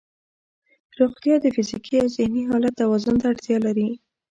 روغتیا د فزیکي او ذهني حالت توازن ته اړتیا لري.